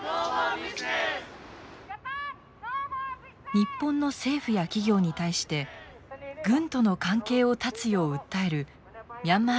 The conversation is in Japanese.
日本の政府や企業に対して軍との関係を絶つよう訴えるミャンマー人を中心としたデモ。